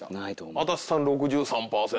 足立さん６３％！